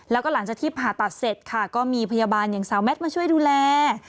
แล้วก็หลังจากที่ผ่าตัดเสร็จค่ะก็มีพยาบาลอย่างสาวแมทมาช่วยดูแล